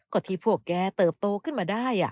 ก็ที่พวกแกเติบโตขึ้นมาได้